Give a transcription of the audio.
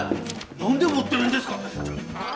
何で持ってるんですか！